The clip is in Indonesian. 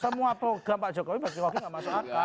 semua program pak jokowi pasti rocky gak masuk akal